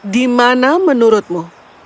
di mana menurutmu